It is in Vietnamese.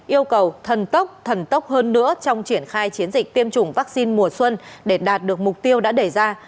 yêu cầu thần tốc thần tốc hơn nữa trong triển khai chiến dịch tiêm chủng vaccine mùa xuân để đạt được mục tiêu đã đề ra